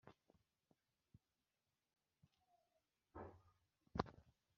ingondo z'imitimba zivuga hejuru y'icondo.